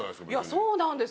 そうなんですよ。